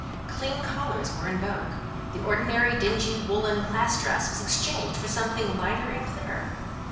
Clean collars were in vogue; the ordinary dingy woollen classe dress was exchanged for something lighter and clearer.